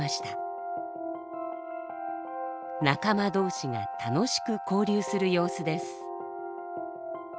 仲間同士が楽しく交流する様子です。